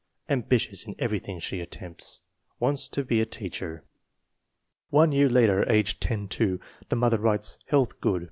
Ambitious in everything she attempts. Wants to be a teacher. One year later, age 10 *. The mother writes: " Health good.